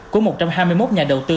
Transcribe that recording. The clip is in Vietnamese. của một trăm hai mươi một nhà đầu tư